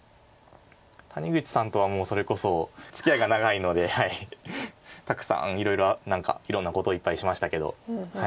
谷口さんとはもうそれこそつきあいが長いのでたくさんいろいろ何かいろんなことをいっぱいしましたけど。